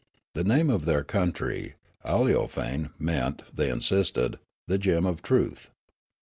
The name of their country, Aleofane, meant, they insisted, the gem of truth.